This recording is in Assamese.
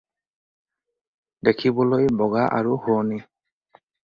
দেখিবলৈ বগা আৰু শুৱনী।